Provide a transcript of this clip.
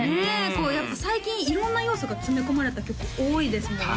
こうやっぱ最近色んな要素が詰め込まれた曲多いですもんね